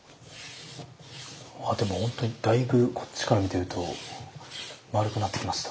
あでもほんとにだいぶこっちから見ていると丸くなってきました。